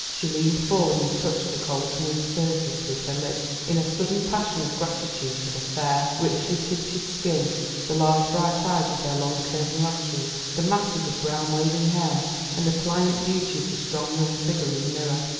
She leaned forward and touched the cold smooth surface with her lips in a sudden passion of gratitude for the fair, richly tinted skin, the large bright eyes with their long curling lashes, the masses of brown waving hair, and the pliant beauty of the strong young figure in the mirror.